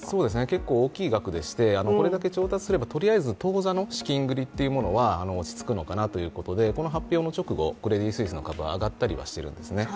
結構大きい額でして、これだけ調達すればとりあえず当座の資金繰りは落ち着くのかなということでこの発表の直後、クレディ・スイスの株は上がったりはしているのです。